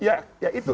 ya ya itu